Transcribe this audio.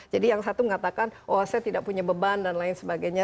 yang satu mengatakan oh saya tidak punya beban dan lain sebagainya